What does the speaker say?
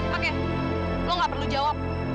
oke lo gak perlu jawab